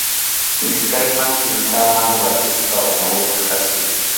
Iskayman kimsaman rakisqa umayuq kʼaspi.